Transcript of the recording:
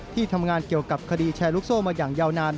ที่ทำงานเกี่ยวกับคดีแชร์ลูกโซ่มาอย่างยาวนาน